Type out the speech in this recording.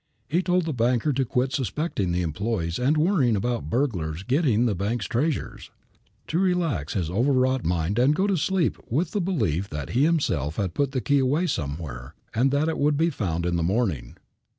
He told the banker to quit suspecting the employees and worrying about burglars getting the bank's treasures, to relax his overwrought mind and go to sleep with the belief that he himself had put the key away somewhere, and that it would be found in the morning.